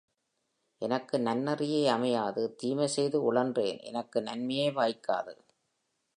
எனக்கு நன்னெறியே அமையாது தீமை செய்து உழன்றேன் எனக்கு நன்மையே வாய்க்காது.